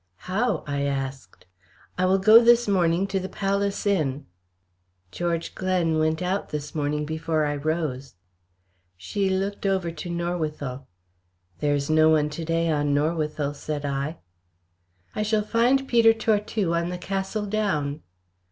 "How?" I asked. "I will go this morning to the Palace Inn." "George Glen went out this morning before I rose." She looked over to Norwithel. "There is no one to day on Norwithel," said I. "I shall find Peter Tortue on the Castle Down."